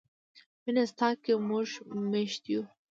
مینه ستا کې موږ میشته یو.